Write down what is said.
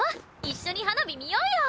一緒に花火見ようよ。